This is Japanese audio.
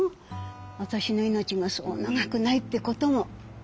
私の命がそう長くないってことも。